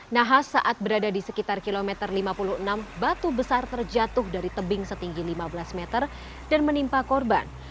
nahas saat berada di sekitar kilometer lima puluh enam batu besar terjatuh dari tebing setinggi lima belas meter dan menimpa korban